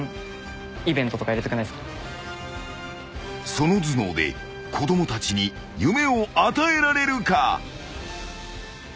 ［その頭脳で子供たちに夢を与えられるか？］